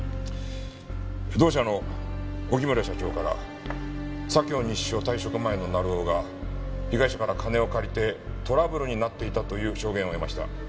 同社の荻村社長から左京西署退職前の成尾が被害者から金を借りてトラブルになっていたという証言を得ました。